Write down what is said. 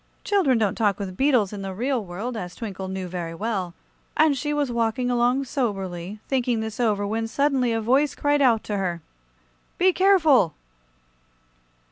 Children don't talk with beetles in the real world, as Twinkle knew very well, and she was walking along soberly, thinking this over, when suddenly a voice cried out to her: "Be careful!"